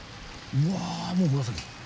うわもう紫。